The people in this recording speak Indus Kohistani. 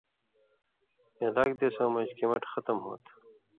ہِلاک دیسؤں مژ کمٹہۡ ختم ہوتھہ .